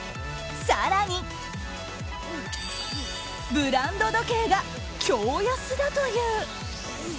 更に、ブランド時計が驚安だという。